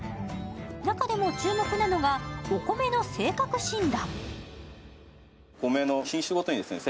中でも注目なのがお米の性格診断。